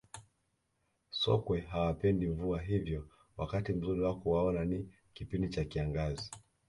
sokwe hawapendi mvua hivyo wakati mzuri wa kuwaona ni kipindi cha kiangazi